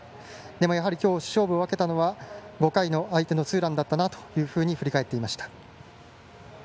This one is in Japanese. でもやはり今日勝負を分けたのは５回の相手のツーランだったなと振り返っていました。